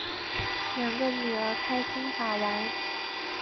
两个女儿开心把玩